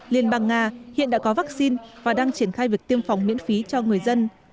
liên bang nga hiện đã có vaccine và đang triển khai việc tiêm phòng miễn phí cho người dân